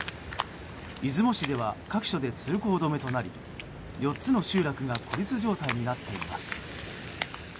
出雲市では各所で通行止めとなり４つの集落が孤立状態になっています。